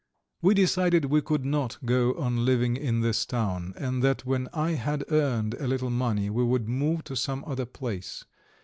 ... We decided we could not go on living in this town, and that when I had earned a little money we would move to some other place.